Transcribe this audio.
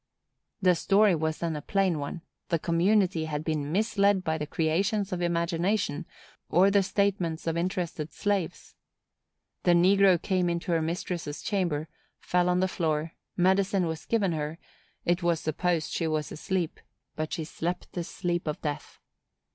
The story was then a plain one; the community had been misled by the creations of imagination, or the statements of interested slaves. The negro came into her mistress' chamber; fell on the floor; medicine was given her; it was supposed she was asleep, but she slept the sleep of death.